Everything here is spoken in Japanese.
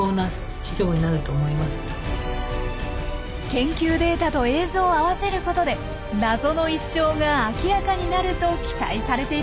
研究データと映像を合わせることで謎の一生が明らかになると期待されているんですよ。